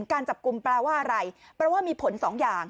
การจับกลุ่มแปลว่าอะไรแปลว่ามีผลสองอย่าง